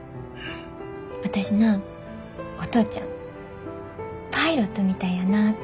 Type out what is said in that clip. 私なお父ちゃんパイロットみたいやなて思うねん。